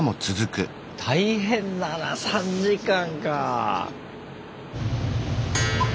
大変だな３時間か。